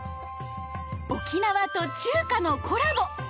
沖縄と中華のコラボ！